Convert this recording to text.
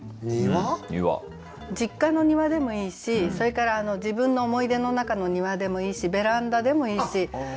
実家の庭でもいいしそれから自分の思い出の中の庭でもいいしベランダでもいいし。